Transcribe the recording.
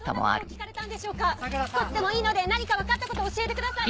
少しでもいいので何か分かったこと教えてください！